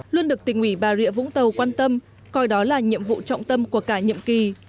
luôn được tỉnh ủy bà rịa vũng tàu quan tâm coi đó là nhiệm vụ trọng tâm của cả nhiệm kỳ